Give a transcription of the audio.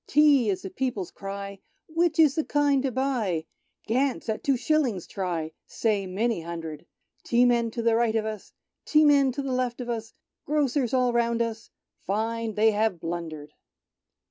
Tea is the people's cry. Which is the kind to buy ? Gant's at Two Shillings try, Say many hundred ! Tea men to right of us, Te.i men'to left of us. Grocers all round us, Find they have blundered."